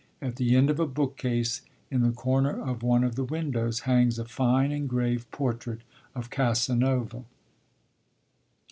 At the end of a bookcase, in the corner of one of the windows, hangs a fine engraved portrait of Casanova.